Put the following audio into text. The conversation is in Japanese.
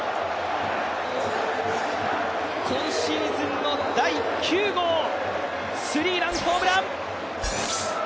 今シーズン第９号スリーランホームラン。